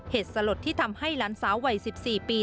เหตุสลดที่ทำให้หลานสาววัย๑๔ปี